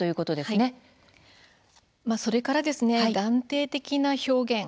それから断定的な表現。